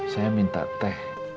saya minta teh